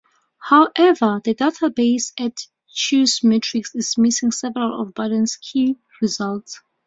However, the database at chessmetrics is missing several of Barden's key results.